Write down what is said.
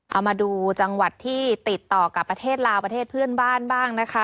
เอามาดูจังหวัดที่ติดต่อกับประเทศลาวประเทศเพื่อนบ้านบ้างนะคะ